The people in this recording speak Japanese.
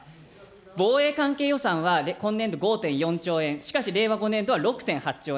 防衛関係予算は今年度５．４兆円、しかし令和５年度は６．８兆円。